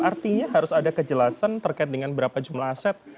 artinya harus ada kejelasan terkait dengan berapa jumlah aset